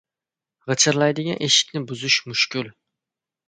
• G‘ichirlaydigan eshikni buzish mushkul.